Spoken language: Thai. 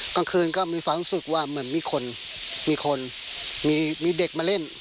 กลางคืนก็มีความรู้สึกว่าเหมือนมีคนมีคนมีเด็กมาเล่น